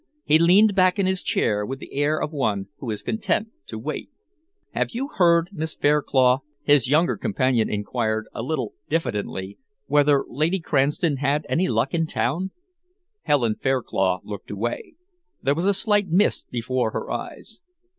He leaned back in his chair with the air of one who is content to wait. "Have you heard, Miss Fairclough," his younger companion enquired, a little diffidently, "whether Lady Cranston had any luck in town?" Helen Fairclough looked away. There was a slight mist before her eyes.